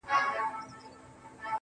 نه پاته کيږي، ستا د حُسن د شراب، وخت ته.